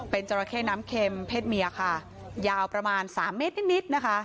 เป็นจราเข้น้ำเข็มเพศเมียค่ะยาวประมาณ๓เมตรนิดนะคะ